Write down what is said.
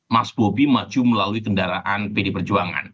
mas bobi maju melalui kendaraan pd perjuangan